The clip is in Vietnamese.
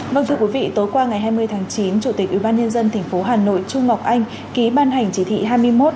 vâng thưa quý vị tối qua ngày hai mươi tháng chín chủ tịch ubnd tp hà nội trung ngọc anh ký ban hành chỉ thị hai mươi một